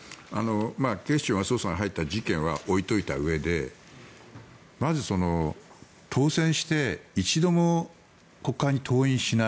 警視庁が捜査に入った事件は置いておいてまず、当選して一度も国会に登院しない。